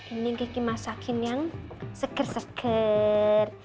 ini kiki masakin yang seger seger